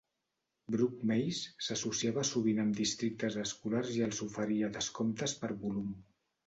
Brook Mays s'associava sovint amb districtes escolars i els oferia descomptes per volum.